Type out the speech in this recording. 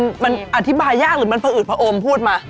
นี่มันอธิบายยากหรือมันผื่นอึดพอโอมพูดมา